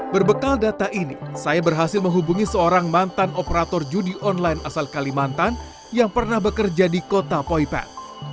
berbekal data ini saya berhasil menghubungi seorang mantan operator judi online asal kalimantan yang pernah bekerja di kota poipet